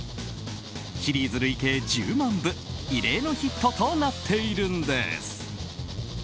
シリーズ累計１０万部異例のヒットとなっているんです。